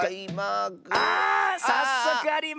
あさっそくありました！